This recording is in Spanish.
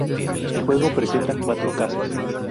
El juego presenta cuatro casos.